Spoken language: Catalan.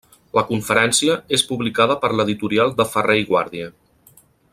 La conferència és publicada per l’editorial de Ferrer i Guàrdia.